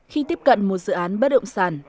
khi tiếp cận một dự án bất động sản